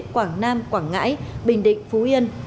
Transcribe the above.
quảng nam quảng ngãi bình định phú yên